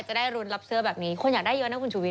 จะได้รุนรับเสื้อแบบนี้คนอยากได้เยอะนะคุณชุวิต